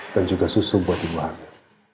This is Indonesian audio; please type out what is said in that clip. dan juga susu buat ibu kami